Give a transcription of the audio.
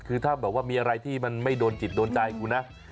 คือถ้าแบบว่ามีอะไรที่มันไม่โดนจิตโดนใจกูนะ